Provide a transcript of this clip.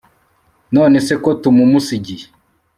none se ko tumumusigiye